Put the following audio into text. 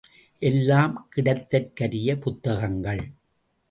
எல்லாம் கிடைத்தற்கரிய புத்தகங்கள்.